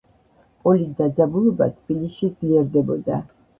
პოლიტ დაძაბულობა თბილისში ძლიერდებოდა.